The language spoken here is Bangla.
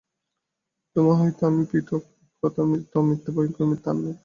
তোমা হইতে আমি পৃথক্, এ কথার মত মিথ্যা, ভয়ঙ্কর মিথ্যা আর নাই।